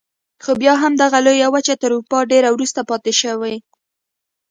خو بیا هم دغه لویه وچه تر اروپا ډېره وروسته پاتې شوه.